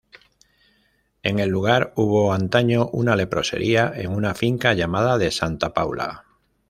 En el lugar, hubo antaño una leprosería, en una finca llamada de Santa Paula.